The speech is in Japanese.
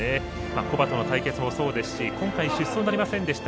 古馬との対決もそうですし今回、出走ありませんでした